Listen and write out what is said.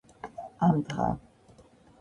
ამდღა